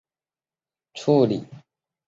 当时有三种处理方案。